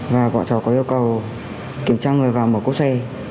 và bọn cháu có yêu cầu kiểm tra người vào một cốt xe